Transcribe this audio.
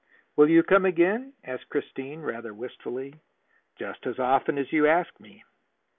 "Will you come again?" asked Christine rather wistfully. "Just as often as you ask me."